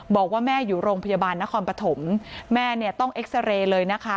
บอกว่าแม่อยู่โรงพยาบาลนครปฐมแม่เนี่ยต้องเอ็กซาเรย์เลยนะคะ